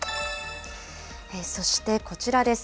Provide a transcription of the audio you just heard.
そしてこちらです。